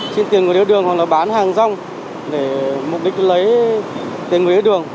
xin tiền người đi đường hoặc là bán hàng rong để mục đích lấy tiền người đi đường